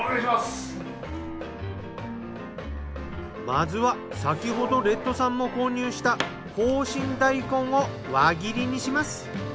まずは先ほどレッドさんも購入した紅心大根を輪切りにします。